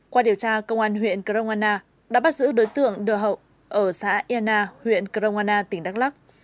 qua điều tra công an huyện cronana đã bắt giữ đối tượng đưa hậu ở xã eana huyện cronana tỉnh đắk lắc